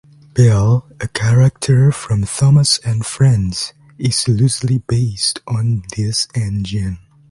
Belle, a character from "Thomas and Friends", is loosely based on this engine.